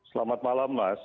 selamat malam mas